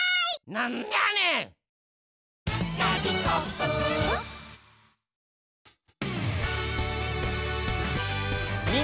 なんでやねん！